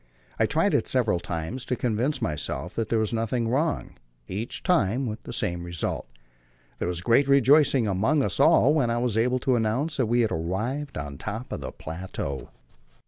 I tried it several times, to convince myself that there was nothing wrong, each time with the same result. There was great rejoicing among us all when I was able to announce that we had arrived on the top of the plateau.